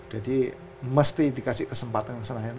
jadi mesti dikasih kesempatan di senayan